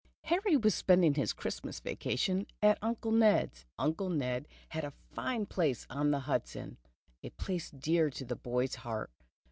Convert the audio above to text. HARRY was spending his Christmas vacation at Uncle Ned's. Uncle Ned had a fine place on the Hudson, a place dear to the boy's heart.